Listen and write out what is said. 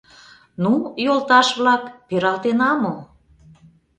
Ну, йолташ-влак, пералтена мо?